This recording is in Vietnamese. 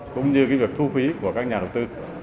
cũng như việc thu phí của các nhà đầu tư